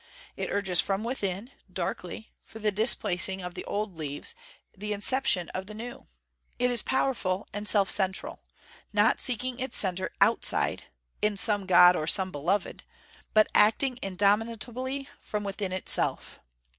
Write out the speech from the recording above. It urges from within, darkly, for the displacing of the old leaves, the inception of the new. It is powerful and self central, not seeking its centre outside, in some God or some beloved, but acting indomitably from within itself.